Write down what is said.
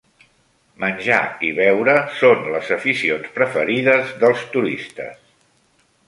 Menjar i beure són les aficions preferides dels turistes.